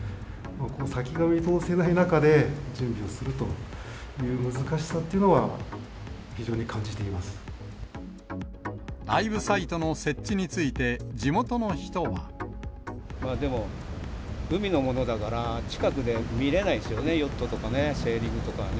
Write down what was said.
先が見通せない中で準備をするという難しさっていうのは非常に感ライブサイトの設置について、でも、海のものだから、近くで見れないですよね、ヨットとか、セーリングとかね。